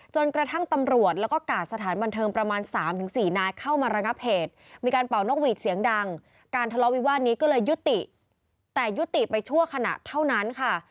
จนกระทั่งตำรวจแล้วก็กาดสถานบันเทิงประมาณ๓๔นายเข้ามาระงับเหตุมีการเป่านกหวีดเสียงดังการทะเลาะวิวาสนี้ก็เลยยุติแต่ยุติไปชั่วขณะเท่านั้นค่ะ